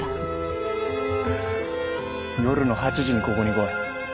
夜の８時にここに来い。